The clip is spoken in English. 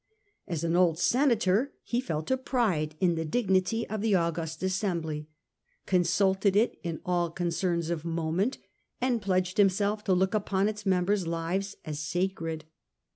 As an old senator, he felt a pride in the dignity of the august assembly, consulted it in all concerns of moment, and pledged him self to look upon its members' lives as sacred.